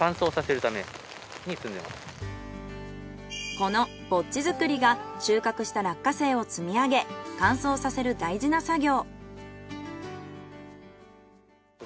このぼっち作りが収穫した落花生を積み上げ乾燥させる大事な作業。